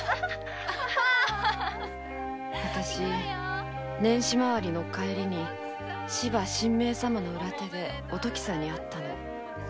私年始回りの帰りに芝神明様の裏手でおときさんに会った。